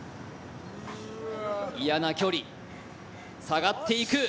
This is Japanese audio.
嫌な距離、下がっていく。